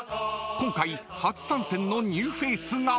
［今回初参戦のニューフェースが］